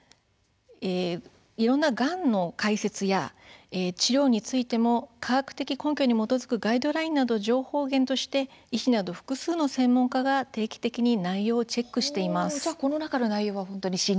いろいろながんの解説や治療についても科学的根拠に基づくガイドラインなどを情報源として医師など複数の専門家が定期的に内容をチェックしています。